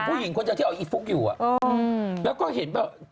ผู้หญิงคนเดียวที่เอาอีฟุ๊กอยู่แล้วก็เห็นแบบ